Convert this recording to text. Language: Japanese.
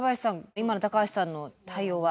今の高橋さんの対応は？